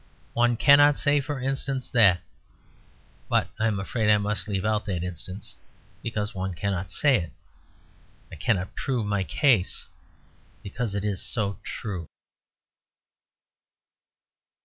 One cannot say, for instance, that But I am afraid I must leave out that instance, because one cannot say it. I cannot prove my case because it is so true.